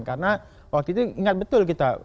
karena waktu itu ingat betul kita